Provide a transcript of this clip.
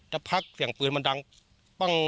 จะพักเสียงปืนมันดัง